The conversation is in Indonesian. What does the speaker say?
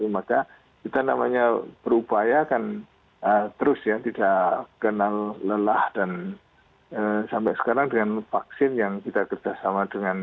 maka kita namanya berupaya kan terus ya tidak kenal lelah dan sampai sekarang dengan vaksin yang kita kerjasama dengan